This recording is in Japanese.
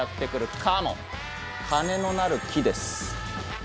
金のなる木です。